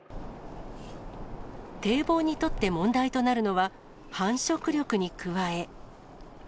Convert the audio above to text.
堤防にとって問題となるのは繁殖力に加え。